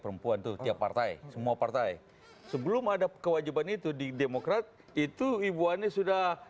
perempuan tuh tiap partai semua partai sebelum ada kewajiban itu di demokrat itu ibu ani sudah